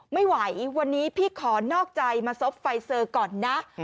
ไม่ไหววันนี้พี่ขอนอกใจมาซบไฟเซอร์ก่อนนะ